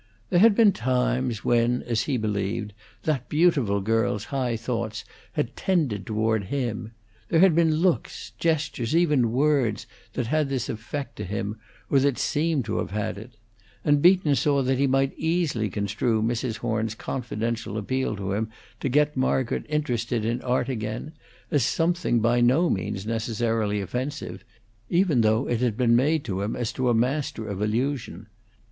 There had been times when, as he believed, that beautiful girl's high thoughts had tended toward him; there had been looks, gestures, even words, that had this effect to him, or that seemed to have had it; and Beaton saw that he might easily construe Mrs. Horn's confidential appeal to him to get Margaret interested in art again as something by no means necessarily offensive, even though it had been made to him as to a master of illusion.